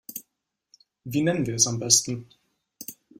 Wie nennen wir es am besten?